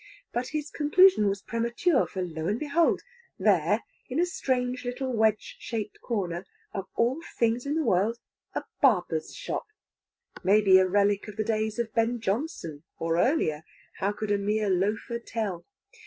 But his conclusion was premature. For lo and behold! there, in a strange little wedge shaped corner, of all things in the world, a barber's shop; maybe a relic of the days of Ben Jonson or earlier how could a mere loafer tell?